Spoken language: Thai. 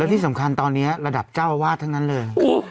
ที่สำคัญตอนนี้ระดับเจ้าอาวาสทั้งนั้นเลย